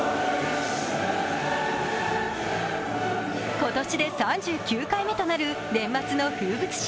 今年で３９回目となる年末の風物詩